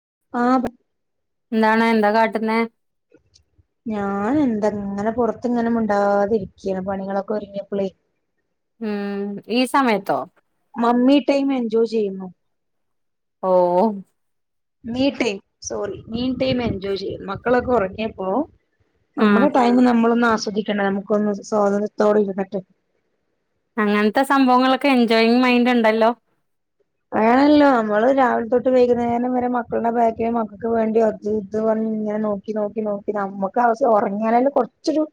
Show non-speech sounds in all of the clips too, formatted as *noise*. *unintelligible* എന്താണ എന്ത കാട്ടുന്നെ. *inaudible* ഞാൻ എന്ത ങ്ങനെ പൊറത്ത് ഇങ്ങനെ മുണ്ടാതിരിക്കയാണ് പണികളൊക്കെ ഒരുങ്ങിയപ്പളേ. ഉം ഈ സമയത്തോ? മമ്മി ടൈം എൻജോയ് ചെയ്യുന്നു. Oh me time sorry mean time enjoy ചെയ്യും. മക്കളൊക്കെ ഉറങ്ങിയപ്പോ ഉം നമ്മുടെ ടൈം നമ്മളൊന്ന് ആസ്വദിക്കണ്ടെ നമുക്കൊന്ന് സ്വാതന്ത്ര്യത്തോടെ ഇരുന്നട്ട്. അങ്ങനത്തെ സംഭവങ്ങളൊക്കെ എൻജോയിങ് മൈൻഡ് ഇണ്ടല്ലോ. വേണല്ലോ നമ്മള് രാവിലെ തൊട്ട് വൈകുന്നേരം വരെ മക്കളുടെ ബാക്കിൽ മക്കൾക്ക് വേണ്ടി അത് ഇത്പറ ഇങ്ങനെ നോക്കി നോക്കി നോക്കി നമുക്ക് ആശ്യം ഉറങ്ങ്യലല്ലേ കൊറച്ചൊരു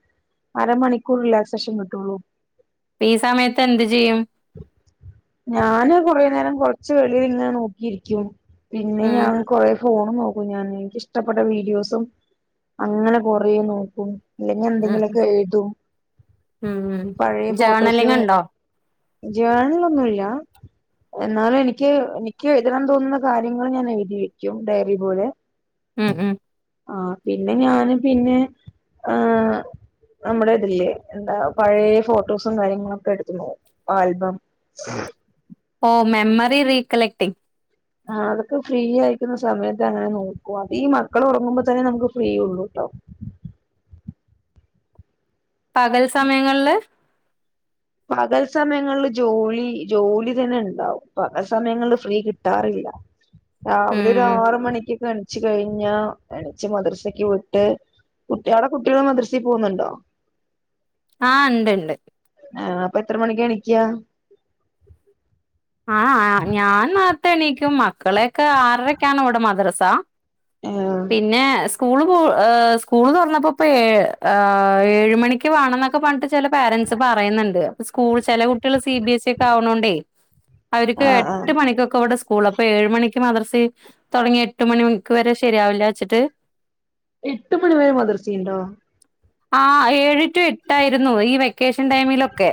അരമണിക്കൂർ റിലാക്സേഷൻ കിട്ടുള്ളൂ. അപ്പ ഈ സമയത്ത് എന്ത് ചെയ്യും? ഞാന് കുറേ നേരം കൊറച്ചു വെളില് ഇങ്ങനെ നോക്കിയിരിക്കും. പിന്നെ ഉം ഞാൻ കൊ ഫോൺ നോക്കും ഞാൻ എനിക്കിഷ്ടപ്പെട്ട വീഡിയോസും അങ്ങനെ കൊറേ നോക്കും. അല്ലെങ്കിൽ ഉം എന്തെങ്കിലുമൊക്കെ എഴുതും ഉം പഴയ ഫോട്ടോസ് ജേർണലിങ് ഉണ്ടോ ജേണലൊന്നുമില്ല എന്നാലും എനിക്ക് നിക്ക് എഴുതാൻ തോന്നുന്ന കാര്യങ്ങൾ ഞാൻ എഴുതി വെക്കും, ഡയറി പോലെ ഉം, ഉം ആ പിന്നെ ഞാന് പിന്നെ ആ നമ്മുടെ ഇതില്ലേ എന്താ പഴയ ഫോട്ടോസും കാര്യങ്ങളൊക്കെ എടുത്തു ആൽബം ഓ മെമ്മറി ഫ്രീ കളക്ടിങ്ങ് ആ അതൊക്കെ ഫ്രീ ആയിക്കുന്ന സമയത്ത് അങ്ങനെ നോക്കും, അത് ഈ മക്കൾ ഉറങ്ങുമ്പോ തന്നെ നമുക്ക് ഫ്രീ ഉള്ളൂ. ആ പകൽ സമയങ്ങളില് പകൽ സമയങ്ങളിൽ ജോലി, ജോലി തന്നെ ഉണ്ടാവും പകൽ സമയങ്ങളിൽ ഫ്രീ കിട്ടാറില്ല. രാവിലെ ഒരു ഉം ആറ് മണിക്കൊക്കെ എണച്ച് കഴിഞ്ഞാൽ എണച്ച് മദ്രസക്ക് വിട്ട് അവിടെ കുട്ടികള് മദ്രസെ പോകുന്നുണ്ടോ ആ, ഉണ്ട്ണ്ട്. ആ, അപ്പൊ എത്ര മണിക്ക് എണിക്ക? ആ ഞാൻ നേരത്തെ എണീക്കും, മക്കളെയൊക്കെ ആറരക്ക് ആണ് അവിടെ മദ്രസ ആഹ് പിന്നെ സ്കൂൾ്, സ്കൂൾന്ന് തുറാന്നെപ്പോ, ഏഴ് മണിക്ക് വേണംന്നൊക്കെ പറഞ്ഞിട്ട് ചില പേ രന്റ്സ്. പറയുന്നുണ്ട്, സ്കൂൾ ചില കുട്ടികൾ സി ബി എസ് ഒക്കെ ആവണോണ്ടേ അവർക്ക് ആഹ് ആഹ് എട്ട് മണിക്കൊക്കെ സ്കൂൾ അപ്പൊ ഏഴ് മണിക്ക് മദ്രസ തുടങ്ങി, എട്ട് മണിക്ക് വരെ ശരിയാവില്ല വെച്ചിട്ട്. എട്ട് മണി വരെ മദ്രസയുണ്ടോ ആ ഏഴ് ടു എട്ട് ആയിരുന്നു, ഈ വ്യ വെക്കേഷൻ ടൈമിലൊക്കെ,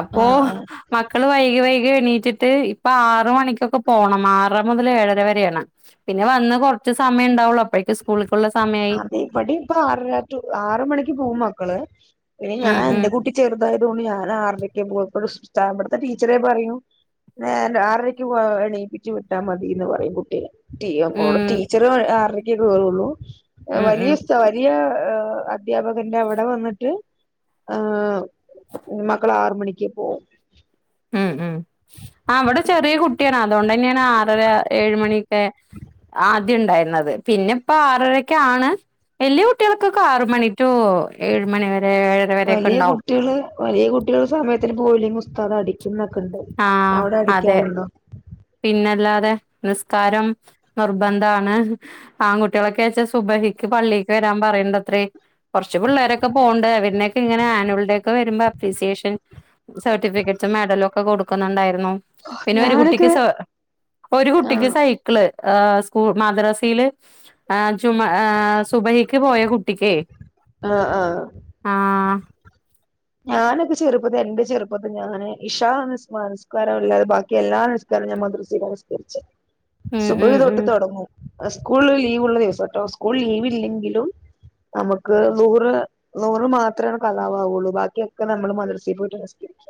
അപ്പോ ആഹ് ആഹ് മക്കള് വൈകി വൈകി എണി ഇപ്പ ആറ് മണിക്കൊക്കെ പോണം, ഇപ്പൊ ആറര മുതൽ ഏഴര വരെയാണ് പിന്നെ വന്ന് കുറച്ചു സമയ- ഉണ്ടാവുള്ളൂ സ്കൂളിക്കുള്ള സമയായി അതെ ഇപ്പടി ഇപ്പൊ ആറര ആറ് മണിക്ക് പോകും മക്കള്. പിന്നെ ഞാൻ ഉം ഉം എന്റെ കൂട്ടി ചെറുതായത് കൊണ്ട് ഞാൻ ആറരക്കെ പോത്തോളു ടീച്ചറ് പറയും. ആറരക്ക് എണീപ്പിച്ചു വിട്ടാ മതിന്ന് പറയും ഓടെ ഉം ടീച്ചർ ആറരക്കെ കയറുള്ളൂ ഉം വലിയ ഉം വലിയ അധ്യാപകന്റെ അവിടെ വന്നിട്ട് ആ, മക്കള് ആറ് മണിക്ക് പോവും. ഉം, ഉം ആ അവിടെ ചെറിയ കുട്ടിയാണ് അതുകൊണ്ട് തന്നെയാണ്ആറര ഏഴ് മണിയൊക്കെ ആ, ആദ്യം ഉണ്ടായിരുന്നത് പിന്നെ ഇപ്പ ആറരക്കെ ആണ്. വലിയ കുട്ടികൾക്കൊക്കെ ആറ് മണി ടു ഏഴ് മണിവരെ വലിയ കുട്ടികള്, വലിയ കുട്ടികള് സമയത്തിന് പോയില്ലങ്കി ഉസ്താദ് അടിക്കു ആ, അതെ പിന്നല്ലാതെ നിസ്കാരം നിർബദ്ധാണ്. ആൺകുട്ടികളൊക്കെ വച്ചാ സുബഹിക്ക് പള്ളിക്ക് വരണം പറയണ്ടത്രേ, കുറച്ച് പിള്ളരൊക്കെ പോണണ്ട് അവനെയക്കെ ഇങ്ങനെ ആനുവൽഡേ ഒക്കെ വരുമ്പോ അപ്രിസിയേഷൻ, സർട്ടിഫിക്കറ്റ്സും മെഡലും ഒക്കെ കൊടുക്കുന്നുണ്ടായിരുന്നു. പിന്നെ ഒരു കുട്ടിക്ക് ഞാനൊക്കെ ഒരു കുട്ടിക്ക് ആഹ് സൈക്കിള് സ്കൂൾ മാദ്രസയില് സുബൈ പോയ കുട്ടക്ക് ആഹ് ആഹ് ആ ഞാനൊക്കെ ചെറുപ്പത്തി എന്റെ ചെറുപ്പത്തി ഞാന് ഇഷാ നിസ്കാരം ഇല്ലാതെ ബാക്കി എല്ലാ മദ്രസെ നിസ്കരിച്ചു ഉം സുബ്ഹി ഉം തൊട്ട് ഉം തുടങ്ങും സ്കൂൾ ലീവ് ഉള്ള ദിവസം കേട്ടോ സ്കൂൾ ലീവ് ഇല്ലെങ്കിലും നമുക്ക് ളുഹർ ളുഹർ മാത്രാണ് കളാആവുള്ളു വാക്കി ക്യൊക്കെ നമ്മള് മദർസീ പോയ്ട്ട് സ്കരിക്ക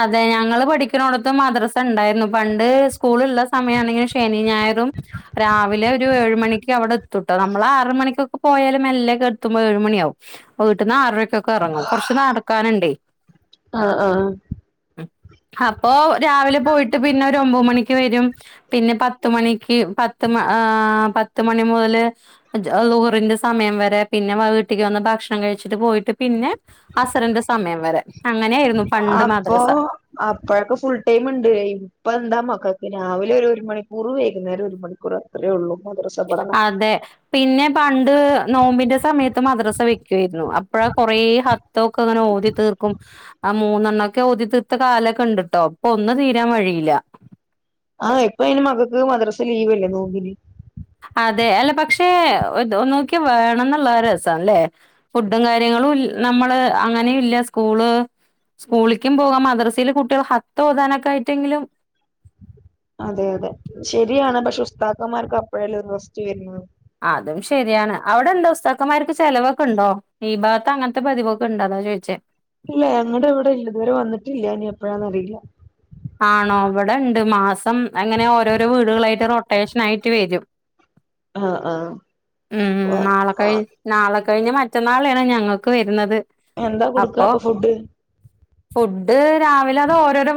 അതെ ഞങ്ങള് പഠിക്ക്ണോട്ത്ത് മദ്രസ ണ്ടാര്ന്നു പണ്ട് സ്കൂള്ള്ള സമയാണെങ്കി ശനി ഞായറും രാവിലെ ഒരു ഏഴു മണിക്ക് അവ്ടെത്തൂട്ടോ നമ്മൾ ആറ് മണിക്കൊക്കെ പോയാല് മെല്ലെക്കെ എത്തുമ്പൊ ഒരേഴ് മണിയാവും വീട്ട്ന്ന് ആറര കൊക്കെറങ്ങും കൊറ്ച്ച് നടക്കാന്ണ്ടേ ആഹ് ആഹ് *inaudible* അപ്പൊ രാവിലെ പോയ്ട്ട് പിന്നെ ഒരു ഒമ്പത് മണിക്ക് വരും പിന്നെ പത്ത് മണിക്ക് പത്ത് മ ആ പത്ത് മണി മുതൽ ളുഹ്റിന്റെ സമയം വരെ പിന്നെ വ വീട്ട്ക്ക് വന്ന് ഭക്ഷണം കഴ് ച്ച്ട്ട് പോയ്ട്ട് പിന്നെ അസറിന്റെ സമയം വരെ അങ്ങനെര്ന്നു അപ്പൊ അപ്പഴൊക്കെ ഫുൾ ടൈമ്ണ്ട് ഇപ് പ്പെന്താ മക്കക്ക് രാവിലൊര് ഒര് മണിക്കൂറ് വൈകുന്നേരം ഒരു മണിക്കൂറ് അത്രേ ഒള്ളൂ. അതെ പിന്നെ പണ്ട് നോമ്പിന്റെ സമയത്ത് മദ്രസ വെക്ക് ക്കും അപ്പഴാ കൊറെ ഹ ത്തൊക്കെ ങ്ങന ഓതിത്തീർക്കും അ മൂന്നെണ്ണൊക്കെ ഓതിത്തീർത്ത കാലൊക്കെ ണ്ട് ട്ടോ ഇപ്പൊന്ന് തീരാ വഴി ഇല്ല ആ ഇപ്പയ്ന് മക്കക്ക് മദ്രസ ലീവല്ലേ നോമ്പിന് അതെ അല്ല പക്ഷേ ഒന്നൂക്കി വേണംന്ന്ള്ള അരസണ്ല്ലേ ഫുഡും കാര്യങ്ങളും നമ്മള് അങ്ങനെയില്ല സ്കൂള് സ്കൂളിക്കും പോവാ മദ്രസീല് കുട്ട്യോള് ഹത്തോതാനൊക്കായ്റ്റെങ്കിലും അതെ അതെ ശരിയാണ് പക്ഷെ ഉസ്താക്കന്മാർക്ക് അപ്പഴല്ലെ ഒര് റസ്റ്റ് വര്ന്നത് അതും ശരിയാണ് അവിടെന്താ ഉസ്താക്കന്മാർക്ക് ചെലവൊക്കെണ്ടോ ഈ ഭാഗത്ത് അങ്ങന് ത്തെ പതിവൊക്കെ ണ്ട് താ ചോയ്ച്ചേ ഇല്ല ഞങ്ങടെ വടെ ഇല്ല ഇതുവരെ വന്നിട്ടില്ല ഇനി എപ്പഴാന്നറിയില്ല ആണോ ഇവടെണ്ട് മാസം അങ്ങനെ ഓരോരോ വീടുകളായ്ട്ട് റൊട്ടേഷനായ്ട്ട് വരും അ ആ മ് നാളെ കയ്ഞ്ഞാ നാളെ കൈഞ്ഞാ മറ്റന്നാളേണ് ഞങ്ങക്ക് വര്ന്നത് എന്താ കൊടുക്കാ അപ്പൊ ഫുഡ് ഫുഡ് രാവിലെ അത് ഓരോരോ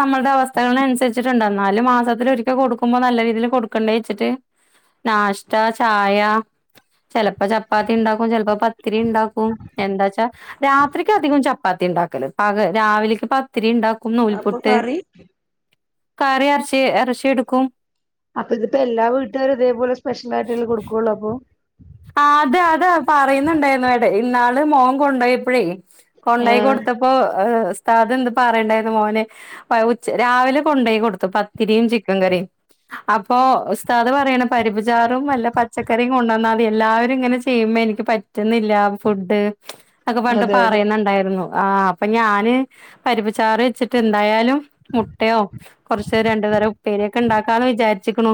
നമ്മടെ അവസ്ഥകളൻസര്ച്ച്ട്ടുണ്ട് എന്നാലും മാസത്തിലൊര്ക്കെ കൊട്ക്ക്മ്പൊ നല്ല രീതീല് കൊട്ക്കണ്ടേച്ച്ട്ട് നാഷ്ട ചായ ചെല്പ ചപ്പാത്തി ണ്ടാക്കും ചെല്പ് പത്തിരി ണ്ടാക്കും എന്താച്ചാ രാത്രിക്കധികും ചപ്പാത്തിണ്ടാക്ക് രാവിലേക്ക് പത്തിരി ണ്ടാക്ക് അപ്പൊ കറി കറി എറച്ചി എറച്ചിയെടുക്കും അപ്പൊ ഇതിപ്പൊ എല്ലാ വീട്ടാരും തേപോലെ സ്പെഷ്യലായ്ട്ടല്ലെ കൊടുക്കൊള്ളപ്പൊ അ അത അത് പറയ്ന്ന്ണ്ടാന്നു ഇന്നാള് മോൻ കൊണ്ടോയപ്പഴേ കൊണ്ടോയ് ആഹ് കൊട്ത്തപ്പോ സ്താദ് ന്ത് പറേണ്ടായ്ന്നു മോനെ പ ഉചേ രാവിലെ കൊണ്ടോയ് കൊട്ത്തു പത്തിരിയും ചിക്കൻ കറിയും അപ്പൊ ഉസ്താദ് പറയ്ണ പരിപ്പ്ചാറും വല്ല പച്ചക്കറിം കൊണ്ടന്ന എല്ലാവരും ഇങ്ങനെ ചെയ്യുമ്പൊ നിക്ക് പറ്റുന്നില്ല ഫുഡ് ന്നൊക്കെ പറ്ഞ്ഞ്ട്ട് അതെ അതെ പറയ്ന്ന്ണ്ടാര്ന്നു ആ അപ്പൊ ഞാന് പരിപ്പ്ച്ചാറ് വെച്ച്ട്ട് എന്തായാലും മുട്ടയോ കുറച്ച് രണ്ട ഉപ്പേരിയൊക്കെ ണ്ടാക്കാന്ന് വിചാരിച്ച്ക്ണു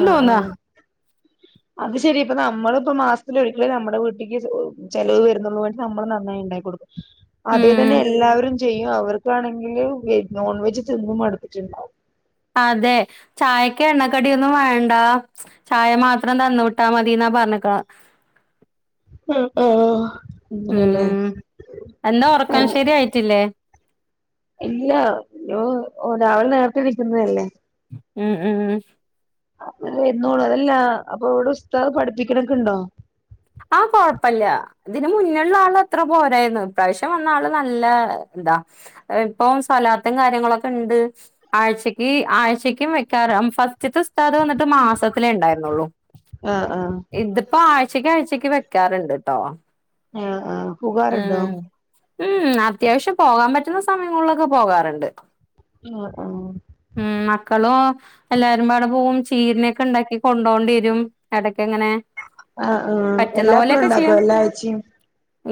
ആ അത് ശരി പ്പൊ നമ്മളിപ്പൊ മാസത്തിലൊരിക്കല് നമ്മടെ വീട്ടിക്ക് ചെലവ് വരുന്നുള്ളൂ പക്ഷേ വേണ്ടി നമ്മള് നന്നായി ഉണ്ടാകൊട്ക്കും അതേ ഉം തന്നെ എല്ലാവരും ചെയ്യും അവർക്കാണെങ്കില് നോൺ വെജ് തിന്ന് മട്ത്തിട്ട്ണ്ടാവും അതെ ചായക്ക് എണ്ണക്കടൊന്നും വേണ്ട ചായ മാത്രം തന്നു വിട്ടാ മതി ന്ന പറഞ്ഞിക്ക്ണ് *inaudible* അ ആ ങ്ങനെല്ലേ ഉം എന്താ ഉറക്കം ശരിയായിട്ടില്ലേ ഇല്ലഓ രാവിലെ നേരത്തെ ഇണിക്കുന്നതല്ലേ ഉം ഉം ഉ അതല്ലേ എന്നോള്ളു അതല്ല അപ്പൊ ഇവിടെ ഉസ്താദ് പഠിപ്പിക്കണൊക്കെ ഇണ്ടോ ആഹ കൊഴപ്പില്ല ഇതിന് മുന്നുള്ള ആള് അത്ര പോരായിരുന്നു ഇപ്രാവശ്യം വന്ന ആള് നല്ല ഇപ്പം സലാത്തും കാര്യങ്ങളൊക്കെ ഉണ്ട് ആഴ്ചക്ക് ആഴ്ചക്കും വെക്കാറ ഫസ്റ്റതെ ഉസ്താദ് വന്നിട്ട് മാസത്തില ഉണ്ടായിരുന്നുള്ളു ആഹ് ആഹ് ഇതിപ്പോ ആഴ്ചക്ക ആഴ് ചച്ചക്ക് വെക്കാറുണ്ട് കേട്ടോ ആ ആ പുകാറുണ്ടോ ഉം അത്യാവശ്യം പോകാൻ പറ്റുന്ന സമയങ്ങളിലൊക്കെ പോകാറുണ്ട് ആഹ് ആഹ് ഉം മക്കളും എല്ലാരും പാവിടെ പോകവും ചീരനൊക്കെ ഉണ്ടാക്കി കൊണ്ടോണ്ട വരും ഇടക്ക എങ്ങനെ ആ എല്ലാപ്പഴും ഉണ്ടാക്കോ എല്ലാ ആഴ്ച്ചയും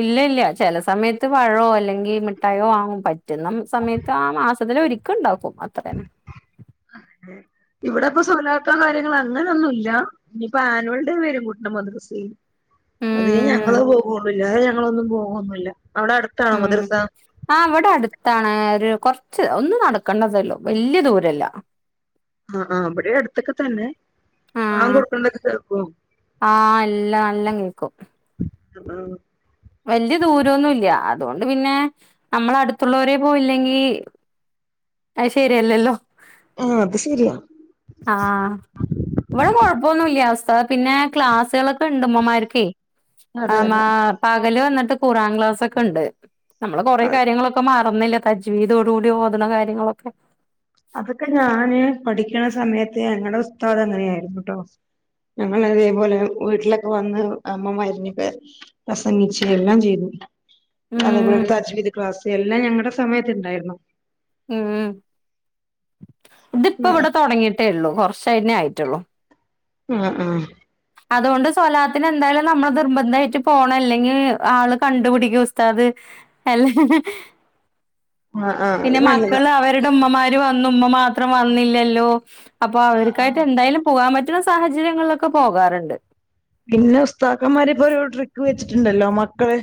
ഇല്ല ഇല്ല ചില സമയത്ത് പഴമോ അല്ലെങ്കിൽ മിഠായോ ആങ്ങും പറ്റുന്ന സമയത്ത് ആ മാ ഒരിക്ക ഉണ്ടാക്കും അത്രേന ഇവിടെ ഇപ്പ സോലാർത്തം കാര്യങ്ങളൾ അങ്ങനെയൊന്നും ഇല്ല ഇനിയിപ്പ ആനുവൽഡേ വരും കൂട്ട മദ്രസയിൽ അതി ഉം ഞങ്ങള് പോകുള്ല്ലാ അ ഞങ്ങളൊന്നും പോകൊന്നുല്ല അവിടെ അടുത്താണോ ഉം മദ്രസ ആ അവിടെ അടുത്താണ് ഒരു കൊറച്ച് ഒന്ന്നടക്കണ്ടതല്ലോ വല്യ ദൂരല്ല ആഹ് ആ് അവിടെ അടുത്തൊക്കെ തന്നെ ആ വാങ്ങോടുക്കുന്നതൊക്കെ കേക്കൊ ആ എല്ലാം നല്ലം ആ വലിയ ദൂരംൊന്നും ഇല്ല അതുകൊണ്ട് പിന്നെ നമ്മള അടുത്തുള്ളവരെ പോയില്ലെങ്കി അ ശെരിയല്ലല്ലോ ആഹ അത് ശരിയാ ആഹ ഇവിടെ കൊഴപ്പൊന്നുല്ല്യ ഉസ്ഥ പിന്നെ ക്ലാസ്സുകളൊക്കെ ണ്ട് ഉമ്മമാർക്ക് ആ അതെ മാ അതെ പകല് വന്നിട്ട് കുറാം ക്ലാസൊക്കെ ണ്ട് നമ്മള് കൊറെേ കാര്യങ്ങളൊക്കെ മറന്നില്ല തജ്വീതോടുകൂടി ഓദണ കാര്യങ്ങളൊക്കെ അതൊക്കെ ഞാന് പഠിക്കണ സമയത്ത് ഞങ്ങളുടെ ഉസ്താത അങ്ങനെയായിരുന്നു ട്ടോ ഞങ്ങ ഇതേപോലെ വീട്ടിലൊക്കെ വന്ന് അമ്മമാരി *unintelligible* പ്രസംഗിച്ച എല്ലാം ചെയ്തു അതേപോലെ ഉം തജ്വിിദ് ക്ലാസ് എല്ലാം ഞങ്ങളടെ സമയത്ത് ഇണ്ടായിരുന്നു ഉം ഇതിപ്പോ ഇവിടെ തുടങ്ങിട്ടേ ഉള്ളൂ കുറച്ച് സൈന ആയിട്ടുള്ളൂ ആഹ ആഹ അതുകൊണ്ട് സോലാത്തിന് എന്തായാലും നമ്മള് നിർബന്ധമായിട്ട് പോണം അല്ലെങ്കിൽ ആള് കണ്ടുപിടികുസ്താദ് അല്ലെ *unintelligible* ആഹ് അത് പിന്നെ നല്ലതാ മക്കള് അവരുടെ ഉമ്മമാരു മാത്രം വന്നില്ലല്ലോ അപ്പോ ആഹ് അവർക്കായിട്ട് ആഹ് എന്തായാലും പോകൻ പ പറ്റ്ണ സാഹചര്യങ്ങളിലൊക്കെ പോകാറുണ്ട് പിന്നെ ഉസ്താക്കന്മാരിപ്പോഒരു ട്രിക്ക് വെച്ചിട്ടുണ്ടല്ലോ മക്കള്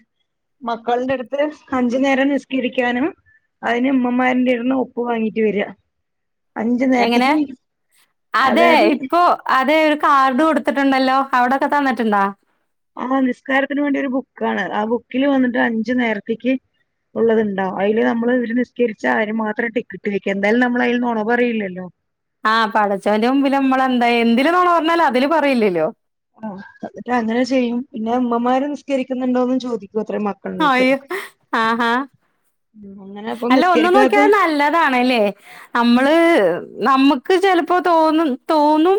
മക്കളുടെ അടുത്ത് അഞ്ചു നേരം നിസ്കീരിക്കാനും അതിന് ഉമ്മമാരുന്റെ ടുന്ന് ഒപ്പ് വാങ്ങീട്ട് വര്യാ എങ്ങനെ അതെ അതായത് ഇപ്പോഅതെ ഒരു കാർഡ് കൊടുത്തിട്ട് ണ്ടല്ലോ അവിടൊക്കെ തന്നിട്ടുണ്ടോ ആ നിസ്കാരത്തിന് വേണ്ടി ഒരു ബുക്കാണ് ആ ബുക്കില് വന്നിട്ട് അഞ്ചു നേരത്തേക്ക് ഉള്ളത്ണ്ടാ അതില് നമ്മള് ഇര് നിസ്കരിച്ച ആര് മാത്രം ടിക്കറ്റ് വെക്ക എന്തായാലും നമ്മൾ അതിൽനുണ പററിയില്ലല്ലോ ആഹ് പടച്ചവന്റെ മുമ്പില് നമ്മളെന്താ എന്തൽ നൊണ പറഞ്ഞാലും അതില് പറയില്ലല്ലോ ആ അട്ട് അങ്ങനെ ചെയ്യും പിന്നെ ഉമ്മമാര് നിസ്കരിക്കുന്നുണ്ടോന്ന് ചോദിക്കും അത്രേ മക്കളടുത്ത് അയ്യോ ആഹാ അല്ല ഒന്ന്ു നോക്കിയാ നല്ലതാണല്ലേ നമ്മള് നമുക്ക് ചിലപ്പോ തോന്നും തോന്നും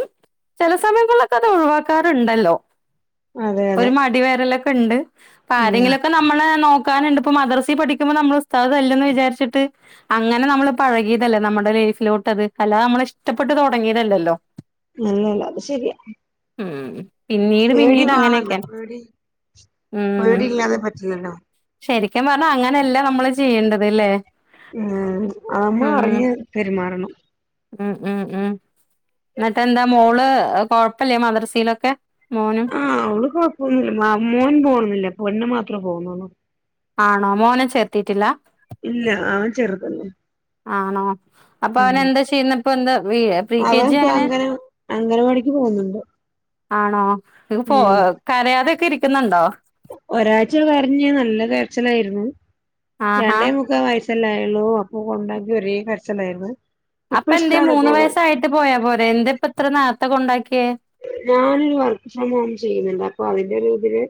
ചില സമയങ്ങളൊക്കെ അത് ഒഴിവാക്കാറുണ്ടല്ലോ അതെ അതെ ഒരു മടിവേരലൊക്കെ ഉണ്ട് അപ്പ ഉം ആരെങ്കിലുമൊക്കെ നമ്മള് നോക്ക അങ്ങനെണ്ട് മദർസി പഠിക്ക്പോ നമ്മൾ ഉസ്താ ന്ന് വിചാരിച്ചിട്ട് അങ്ങനെ നമ്മള് പഴകിയതല്ലേ നമ്മുടെ ലൈഫിലോട്ട് അത് അല്ലാത നമ്മള ഇഷ്ട്ട പെട്ട് തൊ തുടങ്ങിയതല്ലല്ലോ അല്ലല്ല അത് ശെരിയാ ഉം പിന്നീട് പിന്നീട് അങ്ങനെയൊക്കെയ പേടി ഉം പേടിയില്ലാതെ പറ്റില്ലല്ലോ ശരിക്കും പറഞ്ഞാ അങ്ങനെയല്ല നമ്മള് ചെയ്യേണ്ടത്ല്ലേ ആ അമ്മ അറിഞ്ഞ് പെരുമാറണം ഉം ഉം ഉം എന്നട്ട എന്താ മോള് കൊഴപ്പില്ലേ മദ്രസയിലൊക്കെ മോനും ആഹ് അവള് കൊഴപ്പന്നില്ല മോൻ പോണുന്നില്ല പൊന്നു മാത്രം പോന്നള്ളൂ ആണോ മോനെ ചേർത്തിട്ടില്ല. ഇല്ല അവൻ ചെർതല്ലേ. ആണോ അപ്പൊ അവന എന്താ ചെയ്യുന്നപ്പ എന്താ പ്രീ കെ ജി അങ്ങനെ അംഗൻവാടിക്ക് പോകുന്നുണ്ട്. ആണോ ഇത് പോ ഉം കരയാതൊക്കെ ഇരിക്കുന്നുണ്ടോ? ഒരാഴ്ച കരഞ്നല്ല കരച്ചിലായിരുന്നു. ആഹാ രണ്ടേ മുക്കാ വയ *unintelligible* അപ്പൊ കൊണ്ടാക്കി ഒരേ കരച്ചിലായിരുന്നു. ഇപ്പൊ അപ്പന്തെ ഇഷ്ടാണ് മൂന്ന് പോകാൻ വയസ്സായിട്ട് പോയാ പോരെ എന്തെ ഇപ്പ ഇത്ര നേർത്ത കൊണ്ടാക്കി. ഞാനൊരു വർക്ക് ഫ്രം ഹോം ചെയ്യുന്നുണ്ട് അപ്പൊ അതിന്റെ ഒരു ഇതില്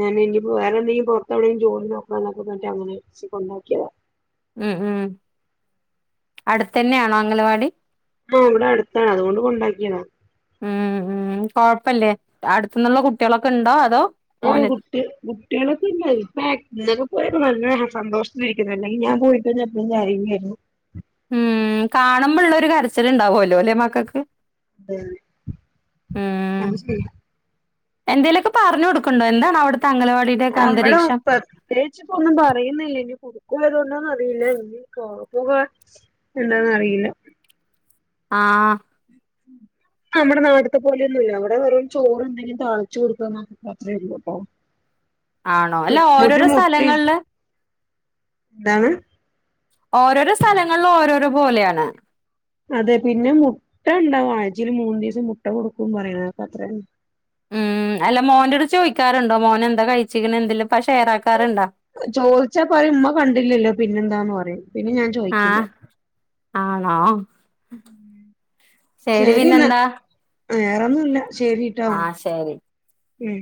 ഞാന ഇനിപ്പോ വേറെന്തെങ്കിലും പുറത്തെ എവിണെങ്കും ജോലി നോക്കണം. എന്നൊക്കെ അങ്ങനെ കൊണ്ടാക്കിയ ഉ ഉം അടുത്തന്നെയാണോ അംഗലവാടി ആഹ ഇവിടെ അടുത്താണ്. അതുകൊണ്ട് കൊണ്ടാക്കിയതാ ന്നുള്ള കുട്ടികളൊക്കെ ഉണ്ടോ. അതോ? ഉം മോന് കുട്ടി കുട്ടികളൊക്കെ ഇണ്ട് *unintelligible* പോ നല്ല സന്തോഷ ഇരിക്കുന്നല്ലെങ്കിൽ ഞാൻ പോയികഴിഞ്ഞാൽ അപ്പൊ കരയുല്ലേ ഉം കാണുമ്പോള്ള ഒരു കരച്ചില് ഉണ്ടാവുംലലൊ മക്കക്ക്. അതെെ ന ശരി. എന്തേലൊക്കെ പറഞ്ഞു കൊടുക്കണ്ടോ എന്താണ് അവിട അവിടെ പ്രത്യേകിച് ഇപ്പോ ഒന്നും പറയുന്നില്ലേ *unintelligible* *unintelligible* എന്താന്ന് അറിയില്ല ആഹ ഉം നമ്മുടെ നാടുത്തെ പോലൊ ഒന്നുമല്ല. അവിടെ വെറും ചോറ് എന്തെങ്കിലും താളിച്ചു കൊടുക്ക ന അത്രേ ഉള്ളൂ. അപ്പൊ ആണോ? അല്ല മുരു ഓരോരോ മുക്തി *unintelligible* സ്ഥലങ്ങളില് എന്താണ് ഓരോരോ സ്ഥലങ്ങളും ഓരോരോ പോലെയാണ്. അതെ പിന്നെ മുട്ട ഉണ്ടാവും ആഴ്ചൽ മൂന്നു ദിവസം മുട്ട കൊടുക്കും പറയണക്ക അത്രന്നെ ഉം അല്ല മോന്റെോട് ചോദിക്കാറുണ്ടോ? മോൻ എന്താ കഴിച്ചികിന് എന്തല്ലോ? ചോദിച്ചാ പറ ഉമ്മ കണ്ടില്ലല്ലോ? പിന്നെന്താന്ന് പറയും പിന്നെ ഞാൻ ചോദിക്കില്ല. ആഹ് ആണോ? ശരി എന്നാ വേറെന്നുമല്ല ശരിട്ടോ. ആഹ് ശരി. ഉം